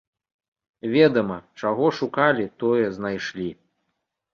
Ведама, чаго шукалі, тое знайшлі.